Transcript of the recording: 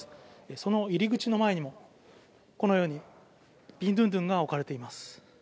その入り口の前にもこのようにビンドゥンドゥンが置かれています。